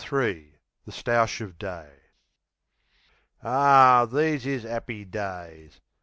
The Stoush o' Day Ar, these is 'appy days!